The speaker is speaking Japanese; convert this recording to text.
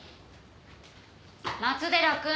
松寺君